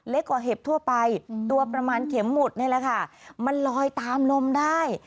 กว่าเห็บทั่วไปตัวประมาณเข็มหมุดนี่แหละค่ะมันลอยตามลมได้